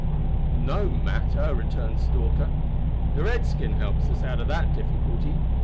"No matter," returned Stalker. "The redskin helps us out o' that difficulty.